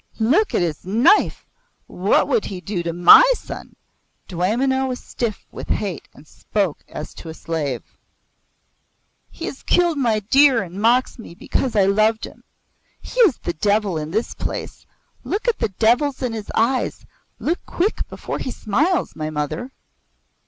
"Look at his knife! What would he do to my son?" Dwaymenau was stiff with hate and spoke as to a slave. "He has killed my deer and mocks me because I loved him, He is the devil in this place. Look at the devils in his eyes. Look quick before he smiles, my mother."